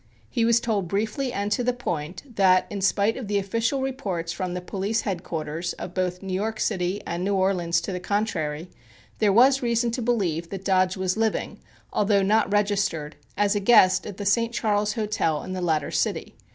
He was told briefly and to the point that, in spite of the official reports from the police head quarters of both New York City and New Orleans to the contrary, there was reason to believe that Dodge was living, although not registered, as a guest at the St. Charles Hotel in the latter city.